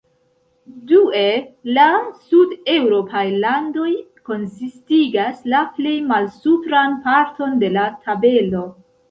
Due, la sudeŭropaj landoj konsistigas la plej malsupran parton de la tabelo.